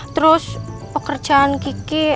terus pekerjaan kiki